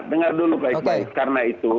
dengar dulu baiknya karena itu